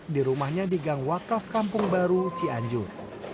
di rumahnya di gang wakaf kampung baru cianjur